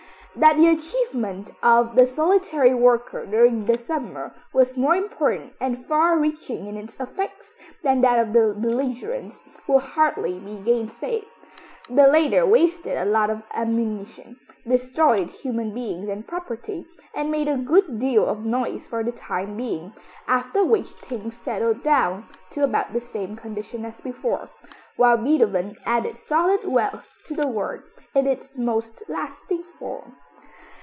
That the achievement of the solitary worker during the summer was more important and far reaching in its effects than that of the belligerents, will hardly be gainsaid. The latter wasted a lot of ammunition, destroyed human beings and property, and made a good deal of noise for the time being, after which things settled down to about the same condition as before; while Beethoven added solid wealth to the world in its most lasting form.